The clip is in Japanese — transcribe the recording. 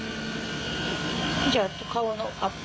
じゃああと顔のアップ。